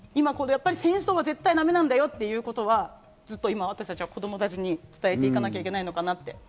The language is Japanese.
戦争は絶対だめなんだよということは、ずっと今、私たちは子供たちに伝えていかなきゃいけないのかなって。